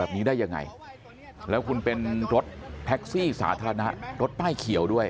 แบบนี้ได้ยังไงแล้วคุณเป็นรถแท็กซี่สาธารณะรถป้ายเขียวด้วย